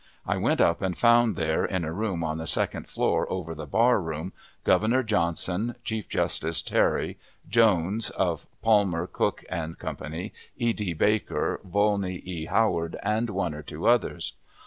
I went up and found there, in a room on the second floor over the bar room, Governor Johnson, Chief Justice Terry, Jones, of Palmer, Cooke & Co., E. D. Baker, Volney E. Howard, and one or two others.